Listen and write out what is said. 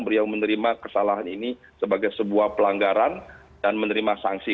beliau menerima kesalahan ini sebagai sebuah pelanggaran dan menerima sanksi